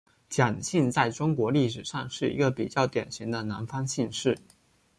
蒋姓在中国历史上是一个比较典型的南方姓氏。